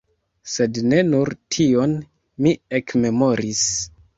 Sed ne nur tion mi ekmemoris.